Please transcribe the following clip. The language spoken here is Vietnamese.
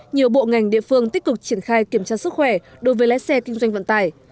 nhiều bộ ngành địa phương tích cực triển khai kiểm tra sức khỏe đối với lái xe kinh doanh vận tải